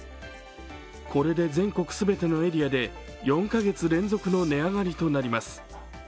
これで全国全てのエリアで４カ月連続の値上がりとなります。